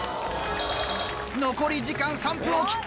残り時間３分を切った。